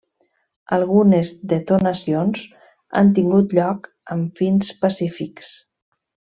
Algunes detonacions han tingut lloc amb fins pacífics.